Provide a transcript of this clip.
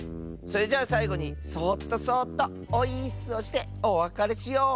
それじゃあさいごにそっとそっとオイーッスをしておわかれしよう。